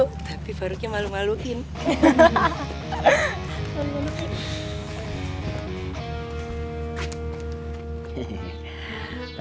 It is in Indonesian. tapi baru malu maluin hahaha